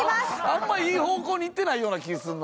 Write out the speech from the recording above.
あんまいい方向に行ってないような気するな。